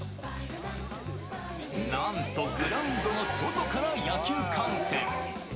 なんとグラウンドの外から野球観戦。